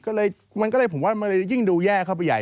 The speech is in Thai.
ก็เลยมันก็เลยผมว่ามันเลยยิ่งดูแย่เข้าไปใหญ่